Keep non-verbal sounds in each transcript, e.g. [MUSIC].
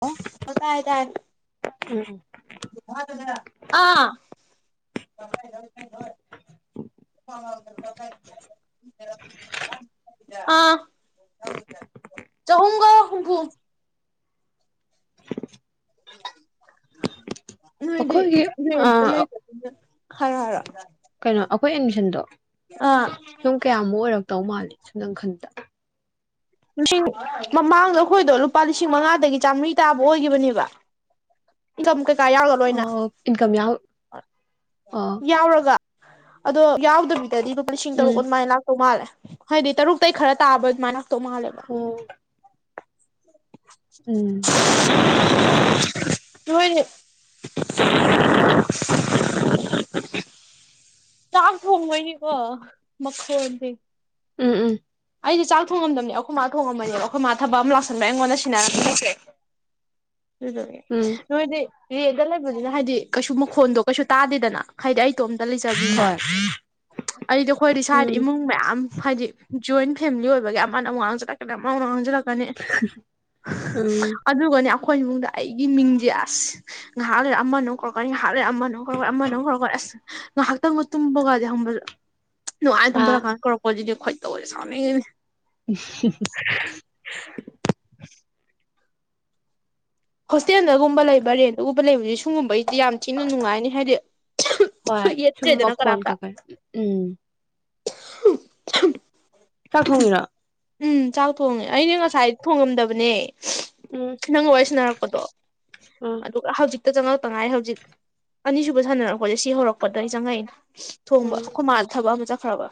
ꯑꯣ [UNINTELLIGIBLE] ꯅ [UNINTELLIGIBLE] ꯑꯥ ꯑꯥ ꯆꯍꯣꯝꯒꯥ ꯍꯨꯝꯐꯨ [INAUDIBLE] ꯅ ꯏꯗꯤ ꯑꯩꯈꯣꯏꯒꯤ ꯕꯦꯡꯇ ꯑꯥ ꯂꯩ [UNINTELLIGIBLE] ꯍꯔꯣ ꯍꯔꯣ ꯀꯩꯅꯣ ꯑꯩꯈꯣꯏ ꯑꯦꯟꯃꯤꯁꯟꯗꯣ ꯑꯥ ꯁꯨꯝ ꯀꯌꯥꯃꯨꯛ ꯑꯣꯏꯔꯛꯄ ꯇꯧ ꯃꯥꯂꯦ ꯁꯨꯝꯗꯪ ꯈꯟꯗ ꯂꯤꯁꯤꯡ ꯃꯃꯥꯡꯗ ꯑꯩꯈꯣꯏꯗꯣ ꯂꯨꯄꯥ ꯂꯤꯁꯤꯡ ꯃꯉꯥꯗꯒꯤ ꯆꯥꯝꯃꯔꯤ ꯇꯥꯕ ꯑꯣꯏꯈꯤꯕꯅꯦꯕꯝ ꯀꯥ ꯌꯥꯎꯒ ꯂꯣꯏꯅ ꯑꯣ ꯏꯟꯀꯝ ꯌꯥꯎ ꯑꯣ ꯌꯥꯎꯔꯒ ꯑꯗꯣ ꯌꯥꯎꯗ ꯂꯦꯜꯂꯤ ꯒꯨꯝ ꯂꯤꯁꯤꯡ ꯎꯝ ꯇꯨꯛ ꯑꯗꯨꯃꯥꯏꯅ ꯂꯥꯛꯇꯧ ꯃꯥꯜꯂꯦ ꯍꯥꯏꯗꯤ ꯇꯔꯨꯛꯇꯩ ꯈꯔ ꯇꯥꯕ ꯑꯗꯨꯃꯥꯏꯅ ꯇꯣꯃꯂꯦꯕ [INAUDIBLE] ꯑꯣ ꯎꯝ [UNINTELLIGIBLE] ꯆꯥꯛ ꯊꯣꯡꯕꯅꯤꯀꯣ ꯃꯈꯣꯟꯖ ꯎꯝ ꯎꯝ ꯑꯩꯗꯤꯦ ꯆꯥꯛ ꯊꯣꯡꯉꯝꯗꯕꯅꯦ ꯑꯩꯈꯣꯏ ꯃꯥꯥ ꯊꯣꯡꯉꯝꯕꯅꯦꯕ ꯑꯩꯈꯣꯏ ꯃꯥꯥ ꯊꯕꯛ ꯑꯃ ꯂꯥꯛꯁꯟꯕ ꯑꯩꯉꯣꯟꯗ ꯁꯤꯟꯅꯔꯝꯃꯤꯁꯦ ꯎꯝ ꯅꯣꯏꯗꯤ ꯔꯦꯗ ꯂꯩꯕꯅꯤꯅ ꯍꯥꯏꯗꯤ ꯀꯩꯁꯨ ꯃꯈꯣꯟꯗꯣ ꯀꯩꯁꯨ ꯇꯥꯗꯦꯗꯅ ꯍꯥꯏꯗꯤ ꯑꯩ ꯏꯇꯣꯝꯇ ꯂꯩꯖꯕꯅꯤꯅ ꯍꯣꯏ ꯑꯩꯗꯤ ꯑꯩꯈꯣꯏꯗꯤ ꯏꯁꯥꯗꯤ ꯎꯝ ꯏꯃꯨꯡ ꯃꯌꯥꯝ ꯐꯗꯤ ꯖꯣꯏꯟ ꯐꯦꯃꯤꯂꯤ ꯑꯣꯏꯕꯒꯤ ꯑꯃꯅ ꯋꯥꯥꯡꯖꯟ [UNINTELLIGIBLE] ꯑꯅꯦ ꯎꯝ ꯑꯗꯨꯒꯅꯦ [UNINTELLIGIBLE] ꯑꯩꯈꯣꯏ ꯏꯃꯨꯡꯗ ꯑꯩꯒꯤ ꯃꯤꯡꯖꯦ ꯑꯁ ꯉꯥꯏꯍꯥꯛ ꯂꯩꯔ ꯑꯃꯃꯨꯛ ꯀꯧꯔꯛꯀꯅꯤ [UNINTELLIGIBLE] ꯉꯥꯏꯍꯥꯛꯇꯪꯒ ꯇꯨꯝꯕꯒꯖꯦ ꯍꯝꯕꯜ ꯅꯨꯡꯉꯥꯏ ꯑꯥ ꯇꯨꯡꯗꯔ ꯀꯥꯟ ꯀꯧꯔꯛꯄ ꯖꯤꯗꯤ ꯈꯣꯏꯗꯧ ꯇꯧꯔꯦ ꯁꯣꯅꯤꯡꯉꯤꯅꯦ [UNINTELLIGIBLE] ꯍꯣꯁꯇꯦꯜꯗꯒꯨꯝꯕ ꯂꯩꯕ ꯔꯦꯟꯠꯒꯨꯝꯕ ꯂꯩꯕꯗꯤ ꯁꯨꯡꯒꯨꯝꯕꯩ ꯗꯤ ꯌꯥꯝ ꯊꯤꯅ ꯅꯨꯡꯉꯥꯏꯅꯤ ꯍꯥꯏꯗꯤ ꯍꯣꯏ ꯁꯨꯝ ꯌꯦꯠꯇ꯭ꯔꯦꯗꯅ ꯃꯈꯣꯟ ꯀꯅꯥꯝꯇ ꯀꯀꯩ ꯎꯝ [UNINTELLIGIBLE] ꯆꯥꯛ ꯊꯣꯡꯉꯤꯔꯣ ꯎꯝ ꯆ ꯊꯣꯡꯉꯦ ꯑꯩꯅ ꯉꯁꯥꯏ ꯊꯣꯡꯉꯝꯗꯕ ꯑꯅꯦ ꯎꯝ ꯅꯪ ꯋꯥꯔꯤ ꯁꯅꯔꯛꯄꯗꯣ ꯑꯥ ꯑꯗꯨꯒ ꯍꯧꯖꯤꯛ ꯍꯦꯛꯇ ꯆꯪꯉꯛꯇ ꯉꯥꯏ ꯍꯧꯖꯤꯛ ꯑꯅꯤꯁꯨꯕ ꯁꯥꯟꯅꯔꯛꯄꯁꯦ ꯁꯤ ꯍꯧꯔꯛꯄꯗꯩ ꯆꯪꯉꯛꯏꯅꯦ ꯊꯣꯡꯕ ꯎꯝ ꯑꯩꯈꯣꯏ ꯃꯥ ꯊꯕꯛ ꯑꯃ ꯆꯠꯈ꯭ꯔꯕ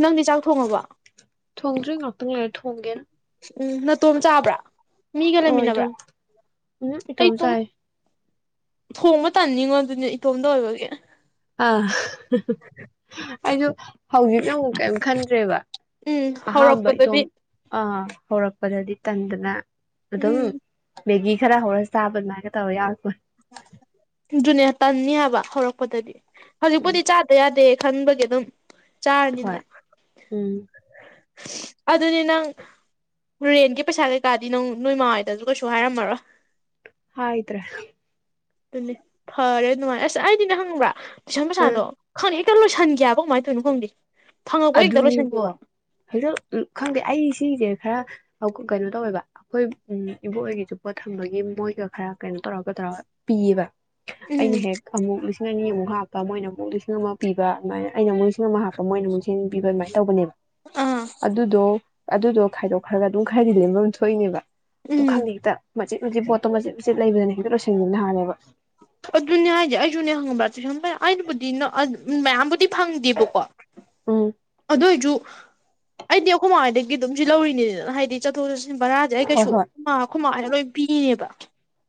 ꯅꯪꯗꯤ ꯆꯥꯛ ꯊꯣꯡꯉꯕꯣ ꯊꯣꯡꯗ꯭ꯔꯤ ꯉꯥꯛꯇꯪ ꯂꯩꯔ ꯊꯣꯡꯒꯦꯅ ꯎꯝ ꯅꯥꯇꯣꯝ ꯆꯥꯕ꯭ꯔꯥ ꯃꯤꯒ ꯑꯣ ꯂꯩꯃꯤꯟꯅꯕ꯭ꯔꯥ ꯏꯇꯣꯝ ꯎꯝ ꯏꯇꯣꯝ ꯑꯩꯇꯣꯝ ꯆꯥꯏ ꯊꯣꯡꯉ ꯇꯥꯅꯤꯡꯉꯣ ꯑꯗꯨꯅꯦ ꯏꯇꯣꯝꯇ ꯑꯣꯏꯕꯒꯤ ꯑ ꯑꯩꯁꯨ ꯍꯧꯖꯤꯛꯅ ꯑꯃꯨꯛ ꯀꯩꯝ ꯈꯟꯗ꯭ꯔꯦꯕ ꯎꯝ ꯑꯍꯥꯝꯕ ꯏꯇꯣꯝ ꯍꯧꯔꯛꯄꯗꯗꯤ ꯑ ꯍꯧꯔꯛꯄꯗꯗꯤ ꯇꯟꯗꯅ ꯑꯗꯨꯝ ꯎꯝ ꯃꯦꯒꯤ ꯈꯔ ꯍꯧꯔ [UNINTELLIGIBLE] ꯑꯗꯨꯨꯅꯦ ꯇꯟꯅꯤ ꯍꯥꯏꯕ ꯍꯧꯔꯛꯄꯗꯗꯤ ꯎꯝ ꯍꯧꯖꯤꯛꯄꯨꯗꯤ ꯆꯥꯗ ꯌꯥꯗꯦ ꯈꯟꯕꯒꯤ ꯑꯗꯨꯝ [UNINTELLIGIBLE] ꯆꯥꯔꯅꯤꯅ ꯍꯣꯏ ꯎꯝ ꯑꯗꯨꯅꯦ ꯅꯪ ꯔꯦꯟꯒꯤ ꯄꯩꯁꯥ ꯀꯩꯀꯥꯗꯤ ꯅꯪ ꯅꯣꯏꯃꯥ ꯍꯣꯏꯗꯁꯨ ꯀꯩꯁꯨ ꯍꯥꯏꯔꯝꯃꯔꯣꯏ ꯍꯥꯏꯗ꯭ꯔꯦ ꯑꯗꯨꯅꯦ ꯐꯔꯦ ꯅꯨꯡꯉꯥꯏꯔꯦ ꯑꯁ ꯑꯩꯗꯤꯅꯦ ꯍꯪꯕ꯭ꯔꯥ ꯇꯨꯏꯁꯟ ꯎꯝ ꯄꯩꯁꯥꯗꯣ ꯈꯪꯗꯦ ꯍꯦꯛꯇ ꯂꯣꯏꯁꯟꯒꯤ ꯍꯥꯏꯕ ꯀꯃꯥꯏꯇꯧꯏꯅꯣ ꯈꯪꯗꯦ ꯐꯪꯉꯛꯄ ꯍꯦꯛꯇ ꯑꯗꯨꯅꯤꯕꯣ ꯂꯣꯏꯁꯟꯒꯤꯕ ꯍꯟꯗꯛ ꯎꯃ ꯈꯪꯗꯦ ꯑꯩ ꯁꯤꯁꯦ ꯈ꯭ꯔ ꯀꯩꯅꯣ ꯇꯧꯋꯦꯕ ꯑꯩꯈꯣꯏ ꯎ ꯏꯕꯣꯛꯈꯣꯏꯒꯤꯁꯨ ꯄꯣꯠ ꯊꯝꯕꯒꯤ ꯃꯣꯏꯒ ꯈ꯭ꯔ ꯀꯩꯅꯣ ꯇꯧꯔꯒ ꯇꯧꯔꯒ ꯄꯤꯌꯦꯕ ꯎꯝ ꯑꯩꯅ ꯍꯦꯛ ꯑꯃꯨꯛ- ꯂꯤꯁꯤꯡ ꯑꯅꯤꯃꯨꯛ ꯍꯥꯞꯄ ꯃꯣꯏꯅ ꯑꯃꯨꯛ ꯂꯤꯁꯤꯡ ꯑꯃ ꯄꯤꯕ ꯑꯗꯨꯃꯥꯏꯅ ꯑꯩꯅ ꯃꯣꯏ [UNINTELLIGIBLE] [UNINTELLIGIBLE] ꯑꯗꯨꯃꯥꯏ ꯇꯧꯕꯅꯦꯕ ꯑꯗꯨꯗꯣ ꯑꯗꯨꯗꯣ ꯈꯥꯏꯗꯣꯛꯈ꯭ꯔꯒ ꯑꯗꯨꯝ ꯈ꯭ꯔꯗꯤ ꯂꯦꯝꯕꯝ ꯊꯣꯛꯏꯅꯦꯕ ꯇꯣ ꯎꯝ ꯈꯪꯗꯦ ꯍꯦꯛꯇ ꯃꯆꯤꯠ ꯃꯆꯤꯠ ꯄꯣꯠꯇꯣ ꯃꯆꯤꯠ- ꯆꯤꯠ ꯂꯩꯕꯗꯅꯦ ꯍꯦꯛꯇ ꯂꯣꯏꯁꯟ ꯒꯤꯕꯅ ꯍꯦꯛꯇ ꯍꯥꯜꯂꯦꯕ ꯑꯗꯨꯨꯅꯦ ꯍꯥꯏꯁꯦ ꯑꯩꯁꯨꯅꯦ ꯈꯪꯕ꯭ꯔ ꯇꯨꯏꯁꯟ ꯄꯩꯁꯥ ꯑꯩꯕꯨꯗꯤ ꯅꯛꯑ- ꯃꯌꯥꯝꯕꯨꯗ ꯗꯤ ꯐꯪꯗꯦꯕꯀꯣ ꯎꯝ ꯑꯗꯨ ꯑꯣꯏꯖꯨ ꯑꯩꯗꯤ ꯑꯩꯈꯣꯏ ꯃꯥ ꯍꯣꯏꯗꯒꯤ ꯑꯗꯨꯝ ꯁꯤ ꯂꯧꯔꯤꯅꯤꯗꯅ ꯍꯥꯏꯗꯤ ꯆꯠꯊꯣꯛ ꯆꯠꯁꯤ ꯕꯔꯥꯁꯦ ꯑꯩ ꯍꯣꯏ ꯀꯩꯁꯨ ꯍꯣꯏ ꯑꯩꯈꯣꯏ ꯃꯥ ꯍꯣꯏꯅ ꯂꯣꯏ ꯄꯤꯔꯤꯅꯦꯕ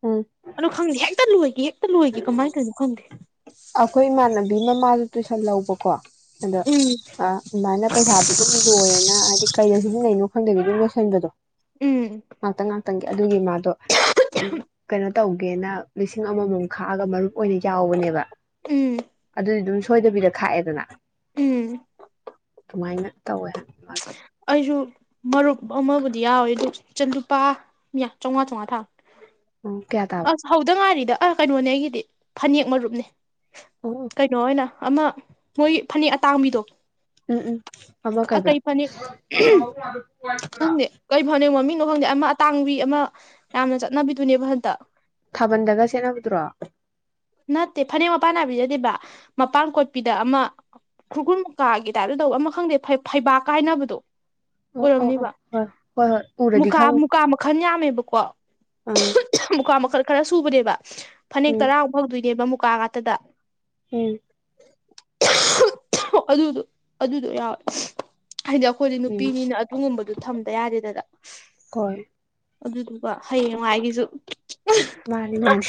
ꯎꯝ ꯑꯗꯣ ꯈꯪꯗꯦ ꯍꯦꯛꯇ ꯂꯣꯏꯒꯤ ꯇ ꯂꯣꯏꯒꯤ ꯀꯃꯥꯏ ꯇꯧꯔꯤꯅꯣ ꯈꯪꯗꯦ ꯑꯩꯈꯣꯏ ꯏꯃꯥꯟꯅꯕꯤ ꯃꯃꯥꯁꯨ ꯇꯨꯏꯁꯟ ꯂꯧꯕꯀꯣ ꯑꯗꯣ ꯎꯝ ꯑꯃꯥꯏꯅ ꯄꯩꯁꯥꯗꯨ ꯑꯗꯨꯝ ꯂꯣꯏꯌꯦꯅ ꯍꯥꯏꯗꯤ ꯀꯩꯗ ꯁꯤꯖꯤꯟꯅꯩꯅꯣ ꯈꯪꯗꯕꯤ ꯑꯗꯨꯝ ꯂꯣꯏꯁꯟꯕꯗꯣ ꯎꯝ ꯉꯥꯛꯇꯪ ꯉꯥꯛꯇꯪ ꯑꯗꯨꯒꯤ ꯃꯥꯗꯣ ꯎ ꯀꯩꯅꯣ ꯇꯧꯒꯦꯅ ꯂꯤꯁꯤꯡ ꯑꯃꯃꯝ ꯈꯥꯛꯑꯒ ꯃꯔꯨꯞ ꯑꯣꯏꯅ ꯌꯥꯎꯕꯅꯦꯕ ꯎꯝ ꯑꯗꯨꯗꯤ ꯑꯗꯨꯝ ꯁꯣꯏꯗꯕꯤꯗ ꯈꯥꯛꯑꯦꯗꯅ ꯎꯝ ꯑꯗꯨꯃꯥꯏꯅ ꯇꯧꯋꯦ ꯍꯥꯏ ꯃꯥꯁꯨ ꯑꯩꯁꯨ ꯃꯔꯨꯞ ꯑꯃꯕꯨꯗꯤ ꯌꯥꯎꯋꯤ ꯑꯗꯨ ꯂꯨꯄꯥ ꯌ ꯆꯥꯝꯃꯉꯥ ꯆꯥꯝꯃꯉꯥ ꯊꯥ ꯎꯝ ꯀꯌꯥ ꯇꯥꯕ ꯑꯁ ꯍꯧꯗ ꯉꯥꯏꯔꯤꯗ ꯑꯥ ꯀꯩꯅꯣꯅꯦ ꯑꯩꯒꯤꯗꯤ ꯐꯅꯦꯛ ꯃꯔꯨꯞꯅꯦ ꯎꯝ ꯀꯩꯅꯣ ꯑꯣꯏꯅ ꯑꯃ ꯃꯣꯏ ꯐꯅꯦꯛ ꯑꯇꯥꯡꯕꯤꯗꯣ ꯎꯝ ꯎꯝ ꯑꯃ ꯀꯩ ꯀꯩꯕ ꯐꯅꯦꯛ ꯎꯝꯍ ꯈꯪꯗꯦ ꯀꯩ ꯐꯅꯦꯛ ꯃꯃꯤꯡ ꯑꯣ ꯈꯪꯗꯦ ꯑꯃ ꯑꯇꯥꯡꯕꯤ ꯑꯃ ꯌꯥꯝꯅ ꯆꯠꯅꯕꯤꯗꯨꯅꯦꯕ ꯍꯟꯇꯛ ꯊꯥꯕꯜꯗꯒ ꯁꯦꯠꯅꯕꯗꯨꯔꯣ ꯅꯠꯇꯦ ꯐꯅꯦꯛ ꯃꯄꯥꯟ ꯅꯥꯏꯕꯤꯗꯤ ꯅꯠꯇꯦꯕ ꯃꯄꯥꯟ ꯀꯣꯠꯄꯤꯗ ꯑꯃ ꯈꯨꯔꯈꯨꯟ ꯃꯨꯀꯥꯒꯤ ꯇꯥꯞꯇ ꯇꯧꯕ ꯑꯃ ꯈꯪꯗꯦ ꯐꯩ ꯐꯩꯕꯥꯛꯀ ꯍꯥꯏꯅꯕ ꯇꯣ ꯑꯣ ꯑꯣ ꯑꯣ ꯑꯣꯏꯔꯝꯅꯤꯕ ꯍꯣꯏ ꯍꯣꯏ ꯍꯣꯏ ꯎꯔꯗꯤ ꯃꯨꯀꯥ ꯈꯪꯅꯤ ꯃꯨꯀꯥ ꯃꯈꯜ ꯌꯥꯝꯃꯦꯕ ꯄꯨ ꯄꯥꯛ ꯑꯪ ꯎꯍꯨ ꯎꯍꯝ ꯃꯨꯀꯥ ꯃꯈꯜ ꯈꯔꯁꯨ ꯇꯨꯕꯅꯦꯕ ꯐꯅꯦꯛ ꯎꯝ ꯇꯔꯥꯃꯨꯛ ꯐꯧꯗꯣꯏꯅꯦꯕ ꯑꯃꯨ ꯄꯥ ꯉꯥꯛꯇꯗ ꯎꯝ ꯎꯍꯨ ꯎꯍꯨ ꯑꯗꯨꯗꯣ ꯑꯗꯨꯗꯣ ꯌꯥꯎꯋꯦ ꯍꯥꯏꯔꯤꯗꯣ ꯑꯩꯈꯣꯏꯗꯤ ꯅꯨꯄꯤꯅꯤꯅ ꯑꯗꯨꯒꯨꯝꯕꯗꯨ ꯊꯝꯗ ꯌꯥꯗꯦꯗꯗ ꯀꯣꯏ ꯑꯗꯨꯗꯨꯒ ꯍꯌꯦꯡꯋꯥꯥꯏꯒꯤꯁꯖꯨ ꯃꯥꯅꯤ ꯃꯥꯅꯤ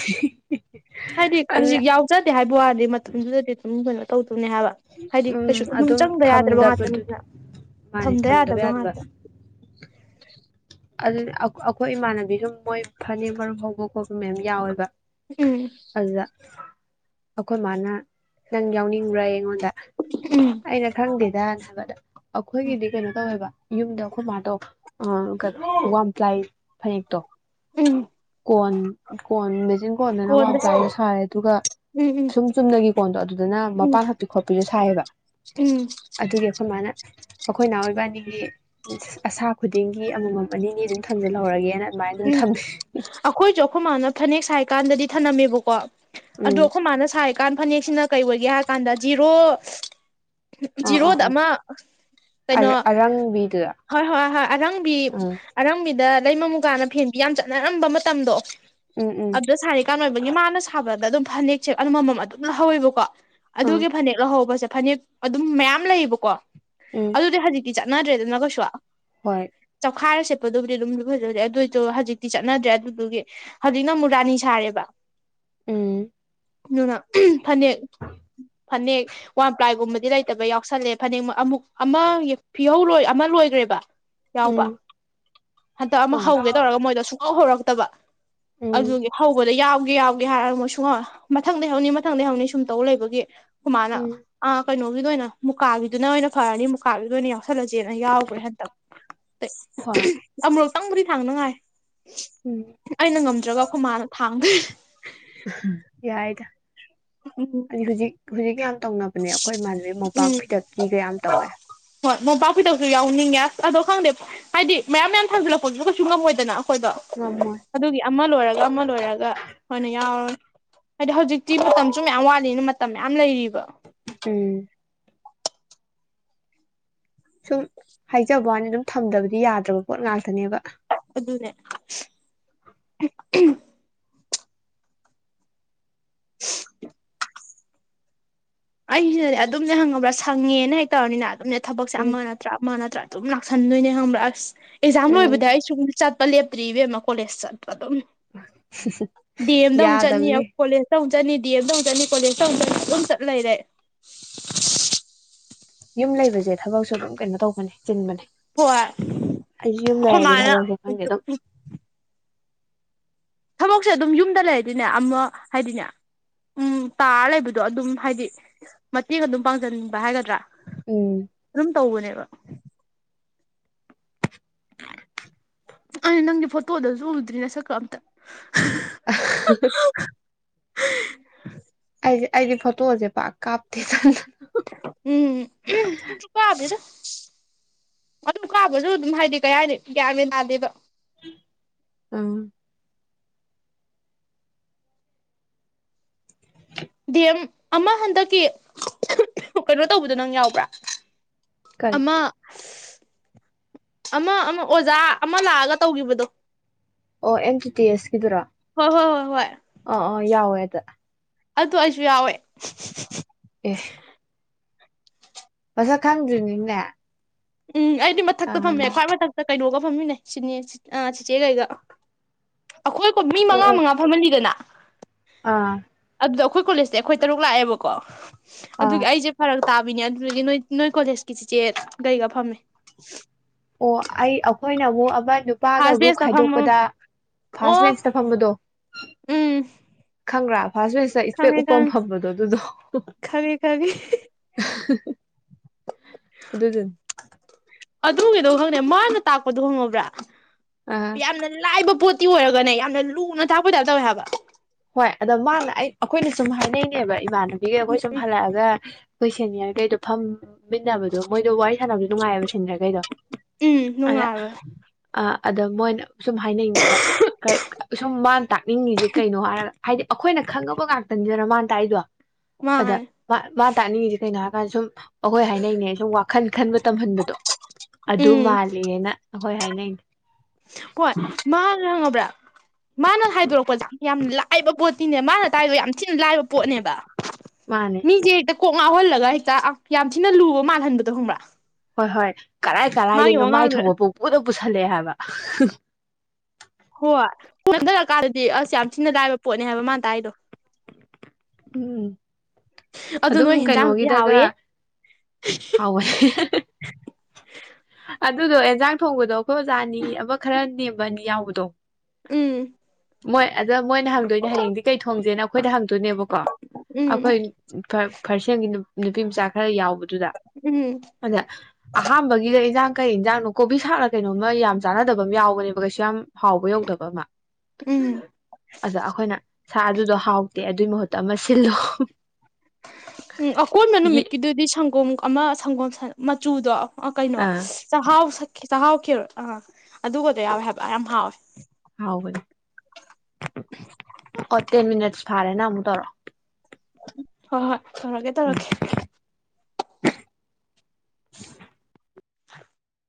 ꯍꯥꯏꯗꯤ ꯑꯗꯨꯅ ꯍꯧꯖꯤꯛ ꯌꯥꯎꯖꯗꯦ ꯍꯥꯏꯕ ꯋꯥꯅꯦ ꯃꯇꯝꯗꯨꯗꯗꯤ ꯑꯗꯨꯝ ꯀꯩꯅꯣ ꯑꯗꯨꯨꯅꯦ ꯍꯥꯏꯕ ꯍꯥꯏꯗꯤ ꯎꯝ ꯀꯩꯁꯨ ꯑꯗꯨꯝ ꯆꯪꯗ ꯌꯥꯗ꯭ꯔꯕ ꯉꯥꯛꯇꯅꯤꯗꯅ ꯊꯝꯗꯕꯗꯨꯗꯤ ꯃꯥꯅꯦ ꯊꯝꯗ ꯊꯝꯗꯕ ꯌꯥꯗꯕ ꯉꯥꯛꯇ [INAUDIBLE] ꯑꯗꯨꯅꯦ ꯑ-ꯑꯩꯈꯣꯏ ꯏꯃꯥꯟꯅꯕꯤꯁꯨ ꯃꯣꯏ ꯐꯅꯦꯛ ꯃꯔꯨꯞ ꯍꯧꯕ ꯈꯣꯠꯄ ꯃꯌꯥꯝ ꯌꯥꯎꯋꯦꯕ ꯎꯝ ꯑꯗꯨꯗ ꯑꯈꯣꯏ ꯃꯥꯅ ꯅꯪ ꯌꯥꯎꯅꯤꯡꯕ꯭ꯔꯥꯌꯦ ꯑꯩꯉꯣꯟ ꯑꯗ ꯎꯝ ꯑꯩꯅ ꯈꯪꯗꯦꯗꯅ ꯍꯥꯏꯕ ꯑꯗ ꯑꯩꯈꯣꯏꯒꯤꯗꯤ ꯀꯩꯅꯣ ꯇꯧꯋꯦꯕ ꯌꯨꯝꯗ ꯑꯈꯣꯏ ꯃꯥꯗꯣ ꯑꯝ [UNINTELLIGIBLE] ꯋꯥꯝ ꯄ꯭ꯂꯥꯏ ꯐꯅꯦꯛꯇꯣ ꯎꯝ ꯀꯣꯟ ꯀꯣꯟ ꯃꯦꯆꯤꯟ ꯀꯣꯟꯗꯅ ꯋꯥꯝ ꯀꯣꯟꯗ ꯄ꯭ꯂꯥꯏꯗꯣ ꯁꯥꯏꯔꯦ ꯑꯗꯨꯒ ꯎꯝ ꯎꯝ ꯁꯨꯝ ꯆꯨꯝꯅꯒꯤ ꯀꯣꯟꯗꯣ ꯑꯗꯨꯗꯅ ꯎꯝ ꯃꯄꯥꯟ ꯍꯛꯄꯤ ꯈꯣꯠꯄꯤꯗꯣ ꯁꯥꯏꯌꯦꯕ ꯎꯝ ꯑꯗꯨꯒꯤ ꯑꯩꯈꯣꯏ ꯃꯥꯅ ꯑꯩꯈꯣꯏꯅꯥꯎ ꯏꯕꯥꯅꯤꯒꯤ ꯖꯤꯁ ꯑꯁꯥ ꯈꯨꯠ ꯁꯤ ꯑꯃꯃꯝ ꯑꯅꯤꯅꯤ ꯑꯗꯨꯝ ꯊꯝꯖꯜꯍꯧꯔꯒꯦꯅ ꯎꯝ ꯑꯩꯈꯣꯏꯁꯨ ꯑꯩꯈꯣꯏ ꯃꯥꯅ ꯐꯅꯦꯛ ꯁꯥꯏꯀꯥꯟꯗꯗꯤ ꯊꯝꯅꯝꯃꯦꯕꯀꯣ ꯑꯗꯨ ꯎꯝ ꯑꯩꯈꯣꯏ ꯃꯥꯅ ꯁꯥꯏ ꯀꯥꯟ ꯐꯅꯦꯛꯁꯤꯅ ꯀꯩ ꯑꯣꯏꯒꯦ ꯍꯥꯏ ꯀꯥꯟꯗ ꯖꯤꯔꯣ ꯑꯥ ꯑꯥ ꯖꯤꯔꯣꯗ ꯑꯃ ꯀꯩꯅꯣ ꯑꯥ ꯑꯔꯪꯕꯤꯗꯨꯗ ꯍꯣꯏ ꯍꯣꯏꯣ ꯍꯣꯏ ꯑꯔꯪꯕꯤ ꯎꯝ ꯑꯔꯪꯕꯤꯗ ꯂꯩꯃ ꯃꯨꯒꯥꯅ ꯌꯝ ꯆꯠꯅꯔꯝꯕ ꯃꯇꯝꯗꯣ ꯎꯝ ꯎꯝ ꯑꯗ ꯁꯥꯔꯦ ꯀꯅ ꯑꯣꯏꯕꯒꯤ ꯃꯥꯅ ꯁꯥꯕꯗꯗꯨꯝ ꯑꯗꯨꯝ ꯐꯅꯦꯛꯁꯦ ꯑꯗꯨꯅ ꯑꯃꯃꯝ ꯑꯗꯨꯝ ꯂꯍꯧꯋꯦꯕꯀꯣ ꯑꯥ ꯑꯗꯨꯒꯤ ꯐꯅꯦꯛ ꯂꯍꯧꯕ ꯆꯠꯄ ꯐꯅꯦꯛ ꯑꯗꯨꯝ ꯃꯌꯝ ꯂꯩꯌꯦꯕꯀꯣ ꯎꯝ ꯑꯗꯨꯗꯤ ꯍꯖꯤꯀꯤ ꯆꯠꯅꯗ꯭ꯔꯦꯗꯅ ꯀꯩꯁꯨ ꯍꯣꯏ ꯈꯥꯔ ꯁꯦꯠꯄꯗꯨꯕꯨꯗꯤ ꯑꯗꯨꯝꯗꯤ ꯐꯖꯦ ꯑꯗꯨꯗꯤ ꯑꯗꯨ ꯍꯧꯖꯤꯛꯇꯤ ꯆꯠꯅꯗ꯭ꯔꯦ ꯑꯗꯨꯗꯨꯒꯤ ꯍꯧꯖꯤꯛꯅ ꯔꯥꯅꯤ ꯁꯔꯦꯕ ꯎꯝ ꯑꯗꯨꯅ ꯐꯅꯦꯛ ꯐꯅꯦꯛ ꯋꯥꯟ ꯄ꯭ꯂꯥꯏꯒꯨꯝꯕꯗꯤ ꯂꯩꯇꯕ ꯌꯥꯎꯁꯜꯂꯦ ꯐꯅꯦꯛ ꯑꯃꯨꯛ ꯑꯃ ꯐꯤꯍꯧ ꯂꯣꯏ ꯑꯃ ꯂꯣꯏꯒ꯭ꯔꯦꯕ ꯌꯥꯎꯕꯥ ꯎꯝ ꯍꯟꯗꯛ ꯑꯃ ꯑ ꯍꯧꯒꯦ ꯇꯧꯔꯒ ꯃꯣꯏꯗ ꯁꯨꯡꯍꯧ ꯍꯧꯔꯒ ꯐꯠꯇꯕ ꯎꯝ ꯑꯗꯨꯒꯤ ꯍꯧꯕꯗ ꯌꯥꯎꯒꯦ ꯌꯥꯎꯒꯦ ꯍꯥꯏꯔꯒ ꯃꯣꯏꯁꯨꯡꯉꯣꯏ ꯃꯊꯪꯗꯩ ꯍꯧꯅꯤ ꯃꯊꯪꯗꯩ ꯍꯧꯅꯤ ꯁꯨꯝꯇꯧ ꯂꯩꯕꯒꯤ ꯑꯩꯈꯣꯏ ꯃꯥꯅ ꯎꯝ ꯑ ꯀꯩꯅꯣꯒꯤꯗꯣ ꯑꯣꯏꯅ ꯃꯨꯀꯥꯒꯤꯗꯨꯅ ꯑꯣꯏꯅ ꯐꯔꯅꯤ ꯃꯨꯀꯥꯒꯤꯗꯨꯅ ꯌꯦꯡꯑꯣ ꯊꯂꯆꯦꯟ ꯑꯩ ꯌꯥꯎꯒ꯭ꯔꯦ ꯍꯟꯗꯛ ꯍꯣꯏ ꯑꯃꯔꯨꯛ [UNINTELLIGIBLE] ꯎꯝ ꯑꯩꯅ ꯉꯝꯗ꯭ꯔꯒ ꯑꯩꯈꯣꯏ ꯃꯥꯅ ꯊꯥꯡꯈ꯭ꯔꯦ ꯑꯗꯤ ꯍꯧꯖꯤꯛ [UNINTELLIGIBLE] ꯇꯧꯅꯕꯅꯦ ꯑꯩꯈꯣꯏ ꯏꯃꯥꯟꯅꯕꯤ ꯃꯣꯝꯄꯥꯛ ꯎꯝ ꯐꯤꯗꯛ ꯀꯤꯒ ꯌꯥꯝ ꯇꯧꯋꯦ ꯍꯣꯏ ꯃꯣꯝꯄꯛꯐꯤꯗꯛꯁꯨ ꯌꯥꯎꯅꯤꯡꯉꯦ ꯑꯁ ꯑꯗꯣ ꯈꯪꯗꯦ ꯍꯥꯏꯗꯤ ꯃꯌꯥꯝ ꯃꯌꯥꯝ ꯊꯥꯡꯖꯜꯂꯛꯄꯗꯨꯁꯨ ꯀꯩꯁꯨ ꯉꯝꯃꯣꯏꯗꯅ ꯑꯩꯈꯣꯏꯗꯣ ꯉꯝꯃꯣꯏ ꯑꯗꯨꯒꯤ ꯑꯃ ꯂꯣꯏꯔꯒ ꯑꯃ ꯂꯣꯏꯔꯒ ꯍꯣꯏꯅ ꯌꯥꯎꯔꯅꯤ ꯍꯥꯏꯗꯤ ꯍꯧꯖꯤꯛꯇꯤ ꯃꯇꯝꯁꯨ ꯃꯌꯥꯝ ꯋꯠꯂꯤꯅ ꯃꯇꯝ ꯃꯌꯥꯝ ꯂꯩꯔꯤꯕ ꯎꯝ ꯁꯨꯝ ꯍꯥꯏꯖꯕꯋꯅꯤ ꯑꯗꯨꯝ ꯊꯝꯗꯕꯗꯤ ꯌꯥꯗ꯭ꯔꯕ ꯄꯣꯠ ꯉꯥꯛꯇꯅꯦꯕ ꯑꯗꯨꯅꯦ [INAUDIBLE] ꯑꯩꯁꯤꯅꯅꯦ ꯑꯗꯨꯅꯦ ꯈꯪꯉꯕꯔꯥ ꯁꯡꯛꯦꯅ ꯍꯦꯛ ꯇꯧꯔꯅꯤꯅꯥ ꯑꯗꯨꯝꯅꯦ ꯊꯕꯛꯁꯦ ꯎꯝ ꯑꯃ ꯅꯠꯇ꯭ꯔꯥ ꯑꯃ ꯅꯠꯇ꯭ꯔꯥ ꯑꯗꯨꯝ ꯂꯥꯛꯁꯟꯗꯣꯏꯅꯦ ꯈꯪꯕ꯭ꯔꯥ ꯑꯁ ꯑꯦꯖꯝ ꯎꯝ ꯂꯣꯏꯕꯗ ꯑꯩ ꯁꯪ ꯆꯠ ꯂꯦꯞꯇ꯭ꯔꯤꯕꯦꯝꯃ ꯀꯣꯂꯦꯖ ꯆꯠ ꯑꯗꯨꯝ ꯗꯤꯑꯦꯝꯗ ꯃꯨꯛꯛ ꯆꯠꯅꯤ ꯌꯥꯗꯕꯅꯤ ꯀꯣꯂꯦꯖꯗ ꯗꯤ ꯑꯝ ꯗ ꯃꯨꯛ ꯆꯠꯅꯤ ꯀꯣꯂꯦꯖꯇ ꯃꯨꯛ ꯆꯠꯅꯤ ꯂꯩꯔꯦ [UNINTELLIGIBLE] ꯌꯨꯝ ꯂꯩꯕꯁꯦ ꯊꯕꯛꯁꯨ ꯑꯗꯨꯝ ꯀꯩꯅꯣ ꯇꯧꯕꯅꯦ ꯆꯤꯟꯕꯅꯦ ꯍꯣꯏ ꯑꯩꯁꯨ ꯌꯨꯝꯗ ꯑꯩꯈꯣꯏ ꯂꯩꯔꯗꯤ ꯃꯥꯅ ꯊꯕꯛꯁꯦ ꯈꯪꯗꯦ ꯑꯗꯨꯝ ꯊꯕꯛꯁꯦ ꯑꯗꯨꯝ ꯌꯨꯝꯗ ꯂꯩꯔꯗꯤꯅꯦ ꯑꯃ ꯍꯥꯏꯗꯤꯅꯦ ꯎꯝ ꯇꯥꯔ ꯂꯩꯕꯗꯣ ꯑꯗꯨꯝ ꯍꯥꯏꯗꯤ ꯃꯇꯦꯡ ꯑꯗꯨꯝ ꯄꯥꯡꯁꯤꯟꯕ ꯍꯥꯏꯒꯗ꯭ꯔꯥ ꯎꯝ ꯑꯗꯨꯝ ꯇꯧꯕꯅꯦꯕ ꯑ ꯅꯪꯒꯤ ꯐꯣꯇꯣꯗꯁꯨ ꯎꯗ꯭ꯔꯤ ꯅ ꯁꯛꯀ ꯑ ꯑꯃꯇ [INAUDIBLE] [INAUDIBLE] ꯑꯩ ꯑꯩꯒꯤ ꯐꯣꯇꯣꯁꯦ ꯄꯥꯛ ꯀꯥꯞꯇꯦ ꯇꯟꯗꯅ ꯎꯝ ꯇꯁꯨ ꯀꯥꯗꯗ [UNINTELLIGIBLE] ꯑꯗꯨꯝ ꯀꯥꯕꯁꯨ ꯑꯗꯨꯝ ꯍꯥꯏꯗꯤ ꯀꯩ ꯍꯥꯏꯅꯤ ꯒ꯭ꯌꯥꯃꯤ ꯥꯗꯦꯕ ꯎꯝ ꯗꯦꯝ ꯑꯃ ꯍꯟꯗꯛꯀꯤ ꯀꯩꯅꯣ ꯇꯧꯕꯗ ꯅꯪ ꯌꯥꯎꯕ꯭ꯔꯥ ꯀꯔꯤ ꯑꯃ ꯑꯃ ꯑꯃ ꯑꯣꯖꯥ ꯑꯃ ꯂꯥꯛꯑꯒ ꯇꯧꯈꯤꯕꯗꯣ ꯑꯣ ꯑꯦꯝ ꯇꯤ ꯇꯤ ꯑꯦꯁꯀꯤꯗꯨꯔꯣ ꯍꯣꯏ ꯍꯣꯏ ꯍꯣꯏ ꯑꯥ ꯑꯥ ꯌꯥꯎꯋꯦ [INAUDIBLE] ꯑꯗꯨ ꯑꯩꯁꯨ ꯌꯥꯎꯋꯦ ꯑꯦ ꯃꯁꯛ ꯈꯪꯗ꯭ꯔꯤꯅꯤꯅꯦ ꯎꯝ ꯑꯩꯗꯤ ꯑꯥ ꯃꯊꯛꯇ ꯐꯝꯃꯦ ꯈ꯭ꯋꯥꯏ ꯑꯣ ꯃꯊꯛꯇ ꯀꯩꯅꯣꯒ ꯐꯝꯃꯤꯅꯦ ꯁꯤ ꯆꯤꯆꯦꯒꯩꯗ ꯑꯩꯈꯣꯏꯣ ꯃꯤ ꯃꯉꯥ ꯑꯣ ꯃꯉꯥ ꯐꯝꯍꯟꯜꯂꯤꯗꯅ ꯑꯥ ꯑꯗꯨꯗꯣ ꯑꯩꯈꯣꯏ ꯀꯣꯂꯦꯖꯁꯦ ꯑꯩꯈꯣꯏ ꯇꯔꯨꯛ ꯂꯥꯛꯑꯦꯕꯀꯣ ꯑꯥ ꯑꯗꯨꯒꯤ ꯑꯩꯁꯦ ꯐꯔꯛ ꯇꯥꯕꯤꯅꯤ ꯑꯗꯨ ꯅꯣꯏ ꯅꯣꯏ ꯀꯣꯂꯦꯁꯀꯤꯁꯤ ꯆꯤꯆꯦ ꯀꯩꯒ ꯐꯝꯃꯦ ꯑꯕꯥ ꯅꯨꯄꯥꯒ ꯐꯥꯔꯁ ꯒ꯭ꯔꯨꯞ ꯕꯦꯁꯇ ꯐꯝꯃ ꯈꯥꯏꯗꯣꯛꯄꯗ ꯐꯥꯔꯁ ꯑꯣ ꯃꯦꯟꯁꯇ ꯐꯝꯕꯗꯣ ꯎꯝ ꯈꯪꯕ꯭ꯔꯕ ꯐꯥꯁ ꯐꯦꯁꯇ ꯏꯁꯄꯦꯛ ꯈꯪꯉꯦ ꯎꯞꯄꯝ ꯈꯪꯉꯦ ꯐꯝꯕꯗꯣ ꯑꯗꯨꯗꯣ ꯈꯪꯉꯦ ꯈꯪꯉꯦ ꯑꯗꯨꯗꯨꯅꯤ ꯑꯗꯨꯒꯤꯩꯗꯧ ꯈꯪꯗꯦ ꯃꯥꯅ ꯇꯥꯛꯄꯗꯣ ꯍꯪꯉꯕ꯭ꯔꯥ ꯑꯥ ꯌꯥꯝꯅ ꯂꯥꯏꯕ ꯄꯣꯠꯇꯤ ꯑꯣꯏꯔꯒꯅꯦ ꯌꯥꯝꯅ ꯂꯨꯅ ꯊꯥꯛꯄ ꯇꯥꯏꯞ ꯇꯧꯋꯦ ꯍꯥꯏꯕ ꯍꯣꯏ ꯑꯗꯣ ꯃꯥꯅ ꯑꯩ ꯑꯩꯈꯣꯏꯅ ꯁꯨꯝ ꯍꯥꯏꯅꯅꯦꯕ ꯏꯃ ꯑꯗꯒꯤ ꯑꯩꯈꯣꯏ ꯁꯨꯝ ꯍꯜꯂꯛꯑꯒ ꯑꯩꯈꯣꯏ ꯁꯦꯅꯤꯌ꯭ꯔꯒꯩꯗꯣ ꯐꯝꯃꯤꯟꯅꯕꯗꯣ ꯃꯣꯏꯗꯣ ꯋꯥꯔꯤ ꯁꯥꯟꯅꯕꯁꯨ ꯅꯨꯡꯉꯥꯏꯌꯦꯕ ꯁꯦꯅꯤꯌ꯭ꯔꯒꯩꯗꯣ ꯎꯝ ꯅꯨꯡꯉꯥꯏꯕꯅꯦ ꯑꯗ ꯃꯣꯏꯅ ꯁꯨꯝ ꯍꯥꯏꯅꯉꯩꯗ ꯁꯨꯝ ꯃꯥꯅ ꯇꯥꯛꯅꯤꯡꯉꯤꯁꯦ ꯀꯩꯅꯣ ꯍꯥꯏꯔ ꯍꯥꯏꯗꯤ ꯑꯩꯈꯣꯏꯅ ꯈꯪꯉꯕ ꯉꯥꯛꯇꯅꯤꯗꯅ ꯃꯥꯅ ꯇꯥꯛꯏꯗꯣ ꯑꯗ ꯃꯥꯅꯦ ꯃꯥ ꯃꯥ ꯇꯥꯛꯅꯤꯡꯉꯤꯁꯦ ꯀꯩꯅꯣ ꯍꯥꯏ ꯁꯨꯝ ꯑꯩꯈꯣꯏ ꯍꯥꯏꯅꯩꯅꯦ ꯁꯨꯝ ꯈꯟ ꯈꯟꯕ ꯇꯝꯍꯟꯕꯗꯣ ꯑꯗꯨ ꯎꯝ ꯃꯥꯜꯂꯦꯅ ꯍꯣꯏ ꯍꯥꯏꯅꯩꯅꯦ ꯍꯣꯏ ꯃꯥꯅ ꯈꯪꯉꯕ꯭ꯔꯥ [INAUDIBLE] ꯃꯥꯅ ꯍꯥꯏꯗꯣꯔꯛꯄꯁꯦ ꯌꯥꯝ ꯂꯥꯏꯕ ꯄꯣꯠ ꯅꯦ ꯃꯥꯅ ꯇꯥꯛꯏꯗꯣ ꯌꯥꯝ ꯊꯤꯅ ꯂꯥꯏꯕ ꯄꯣꯠꯅꯦꯕ ꯃꯥꯅꯦ ꯃꯤꯁꯦ ꯍꯦꯛꯇ ꯀꯣꯛ ꯉꯥꯎꯍꯜꯂꯒ ꯍꯦꯛꯇ ꯌꯥꯝ ꯊꯤꯅ ꯂꯨꯕ ꯃꯥꯜꯍꯟꯕꯗꯣ ꯈꯪꯕ꯭ꯔꯥ ꯍꯣꯏ ꯍꯣꯏ ꯀꯔꯥꯏ ꯃꯥꯒꯤ ꯀꯔꯥꯏꯗꯩꯅꯣ ꯋꯥꯉꯥꯡꯗ ꯃꯥꯏꯊꯣꯛꯕ ꯄꯪꯄꯨꯗ ꯄꯨꯨꯁꯜꯂꯦ ꯍꯥꯏꯕ ꯍꯣꯏ ꯈꯟꯊꯔꯀꯥꯟꯗꯗꯤ ꯑꯁ ꯌꯥꯝ ꯊꯤꯅ ꯂꯥꯏꯕ ꯄꯣꯠꯅꯤ ꯍꯥꯏꯕ ꯃꯥꯅ ꯇꯥꯛꯏꯗꯣ ꯎꯝ ꯑꯗꯨ ꯑꯗꯨꯝ ꯅꯣꯏ ꯍꯦꯟꯖꯥꯡꯗꯨꯗꯤ ꯀꯩꯅꯣꯒꯤꯗꯒ ꯍꯥꯎꯋꯦ ꯍꯥꯎꯋꯦ ꯑꯗꯨꯗꯣ ꯑꯦꯟꯖꯥꯡ ꯊꯣꯡꯕꯗꯣ ꯑꯩꯈꯣꯏ ꯑꯣꯖꯥꯅꯤ ꯑꯃ ꯈꯔ ꯅꯦꯝꯕꯅꯤ ꯌꯥꯎꯕꯗꯣ ꯎꯝ ꯃꯣꯏ ꯑꯗꯣ ꯃꯣꯏꯅ ꯍꯪꯗꯣꯏꯅꯦ ꯍꯌꯦꯡꯗꯤ ꯀꯩ ꯊꯣꯡꯁꯦꯅ ꯑꯩꯈꯣꯏꯗ ꯍꯪꯗꯣꯏꯅꯦꯕ ꯀꯣ ꯎꯝ ꯑꯩꯈꯣꯏ [UNINTELLIGIBLE] ꯅꯨꯄꯤ ꯃꯆꯥ ꯈ꯭ꯔ ꯌꯥꯎꯕ ꯗꯨꯗ ꯎꯝ ꯑꯗ ꯑꯍꯥꯝꯕꯒꯤꯗ ꯏꯟꯖꯥꯡ ꯀꯩ ꯌꯦꯟꯖꯥꯡꯅꯣ ꯀꯣꯕꯤ ꯁꯥꯥꯛꯔ ꯀꯩꯅꯣꯝꯃ ꯌꯥꯝ ꯆꯥꯅꯗꯕ ꯑꯃ ꯌꯥꯎꯕꯅꯦꯕ ꯀꯩꯁꯨ ꯌꯥꯝ ꯍꯥꯎꯕ ꯌꯧꯗꯕ ꯑꯃ ꯎꯝ ꯑꯗ ꯑꯩꯈꯣꯏꯅ ꯁꯥꯔ ꯑꯗꯨꯗꯣ ꯍꯥꯎ ꯇꯦ ꯑꯗꯨꯏ ꯃꯍꯨꯠ ꯇ ꯑꯃ ꯁꯤꯜꯂꯣ ꯎꯝ ꯑꯀꯣꯟꯕ ꯅꯨꯃꯤꯠꯀꯤꯗꯨꯗꯤ ꯁꯪꯒꯣꯝ ꯑꯃ ꯁꯪꯒꯣꯝ ꯁꯟ ꯃꯆꯨꯗꯣ ꯑ ꯀꯩꯅꯣ ꯑꯥ ꯆꯍꯥꯎ ꯆꯥꯛꯍꯥꯎꯈꯤꯔ ꯑꯥ ꯑꯗꯨꯒꯗꯣ ꯌꯥꯎꯋꯦ ꯍꯥꯏꯕ ꯌꯥꯝ ꯍꯥꯎꯋꯦ ꯍꯥꯎꯕꯅꯤ ꯑꯣ ꯇꯦꯟ ꯃꯤꯅꯠꯁ ꯐꯥꯔꯦ ꯅꯪ ꯑꯃꯨꯛ ꯇꯧꯔꯛꯑꯣ ꯍꯣꯏ ꯍꯣꯏ ꯇꯧꯔꯛꯀꯦ ꯎꯝ ꯇꯧꯔꯛꯀꯦ [INAUDIBLE]